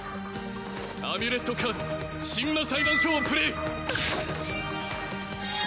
アミュレットカード神魔裁判所をプレイ。